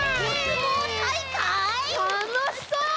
たのしそう！